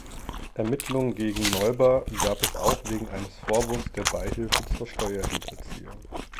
Ermittlungen gegen Neuber gab es auch wegen eines Vorwurfs der Beihilfe zur Steuerhinterziehung.